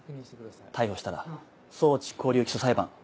逮捕したら送致拘留起訴裁判。